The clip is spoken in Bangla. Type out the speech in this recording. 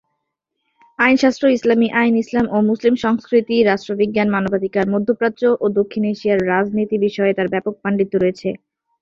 আইনশাস্ত্র, ইসলামী আইন, ইসলাম ও মুসলিম সংস্কৃতি, রাষ্ট্রবিজ্ঞান, মানবাধিকার, মধ্যপ্রাচ্য ও দক্ষিণ এশিয়ার রাজনীতি বিষয়ে তার ব্যাপক পাণ্ডিত্য রয়েছে।